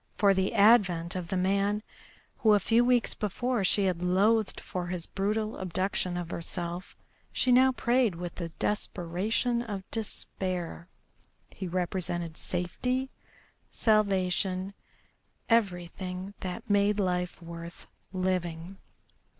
For the advent of the man who a few weeks before she had loathed for his brutal abduction of herself she now prayed with the desperation of despair. He represented safety, salvation, everything that made life worth living.